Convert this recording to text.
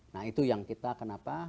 nah itu yang kita kenapa